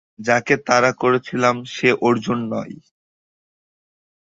যাকে তাড়া করছিলাম, সে অর্জুন নয়।